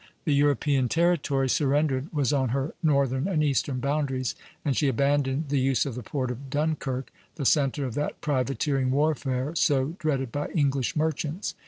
The European territory surrendered was on her northern and eastern boundaries; and she abandoned the use of the port of Dunkirk, the centre of that privateering warfare so dreaded by English merchants.